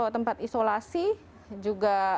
tempat isolasi juga